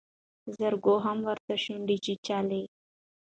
زورواکو هم ورته شونډې چیچلې.